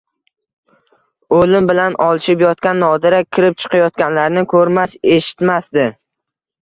O`lim bilan olishib yotgan Nodira kirib-chiqayotganlarni ko`rmas, eshitmasdi